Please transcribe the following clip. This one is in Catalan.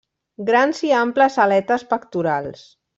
Grans i amples aletes pectorals.